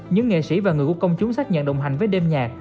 những nghệ sĩ và người của công chúng xác nhận đồng hành với đêm nhạc